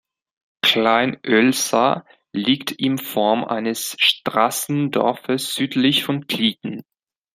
Klein-Oelsa liegt in Form eines Straßendorfes südlich von Klitten.